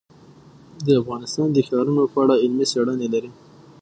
افغانستان د ښارونه په اړه علمي څېړنې لري.